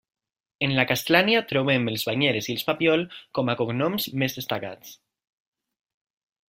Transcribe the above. En la castlania trobem els Banyeres i els Papiol com a cognoms més destacats.